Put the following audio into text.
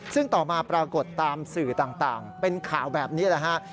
ซึ่งต่อมาปรากฏตามสื่อต่างเป็นข่าวแบบนี้แหละฮะ